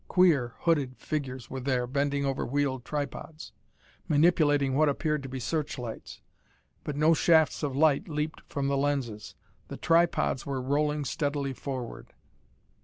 Queer, hooded figures were there bending over wheeled tripods, manipulating what appeared to be searchlights. But no shafts of light leaped from the lenses. The tripods were rolling steadily forward.